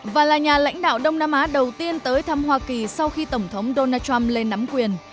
và là nhà lãnh đạo đông nam á đầu tiên tới thăm hoa kỳ sau khi tổng thống donald trump lên nắm quyền